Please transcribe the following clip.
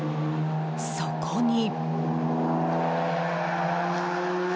そこに。